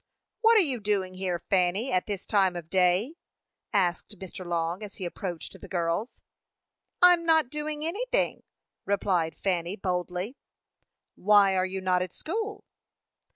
"What are you doing here, Fanny, at this time of day?" asked Mr. Long, as he approached the girls. "I'm not doing anything," replied Fanny, boldly. "Why are you not at school?"